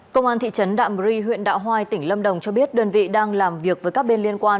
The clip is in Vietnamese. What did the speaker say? công an thị trấn đạm ri huyện đạo hoai tỉnh lâm đồng cho biết đơn vị đang làm việc với các bên liên quan